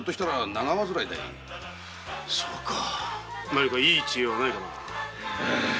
何かいい知恵はないかな。